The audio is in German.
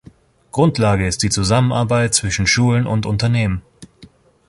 Grundlage ist die Zusammenarbeit zwischen Schulen und Unternehmen.